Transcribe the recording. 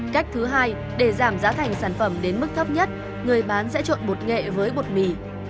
cách thứ hai để giảm giá thành sản phẩm đến mức thấp nhất người bán sẽ trộn bột nghệ với bột mì